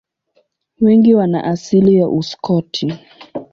Wengi wana asili ya Uskoti.